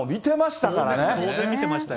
当然見てましたよ。